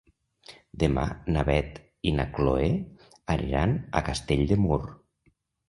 Demà na Beth i na Chloé aniran a Castell de Mur.